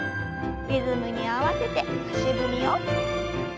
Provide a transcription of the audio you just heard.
リズムに合わせて足踏みを。